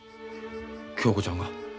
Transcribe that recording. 恭子ちゃんが？